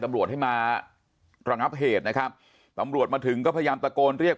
ตำรวจให้มาระงับเหตุนะครับตำรวจมาถึงก็พยายามตะโกนเรียก